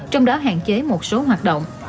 trong đó hạn chế một số hoạt động